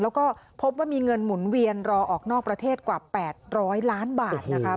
แล้วก็พบว่ามีเงินหมุนเวียนรอออกนอกประเทศกว่า๘๐๐ล้านบาทนะคะ